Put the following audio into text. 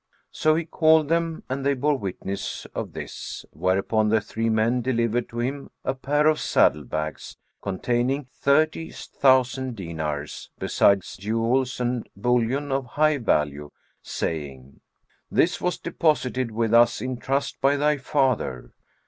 So he called them and they bore witness of this; whereupon the three men delivered to him a pair of saddle bags, containing thirty thousand dinars, besides jewels and bullion of high value, saying, "This was deposited with us in trust by thy father."